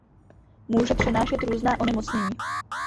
Může přenášet různá onemocnění.